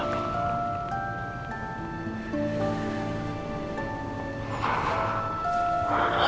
amin ya rabbul'allah